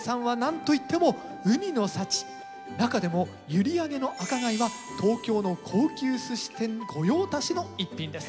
中でも閖上の赤貝は東京の高級すし店御用達の逸品です。